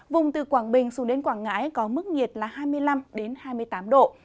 vùng từ quảng bình xuống đến quảng ngãi có mức nhiệt là hai mươi năm hai mươi tám độ